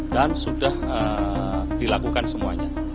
dan sudah dilakukan semuanya